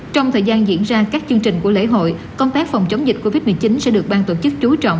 trong thời gian diễn ra các chương trình của lễ hội công tác phòng chống dịch covid một mươi chín sẽ được ban tổ chức chú trọng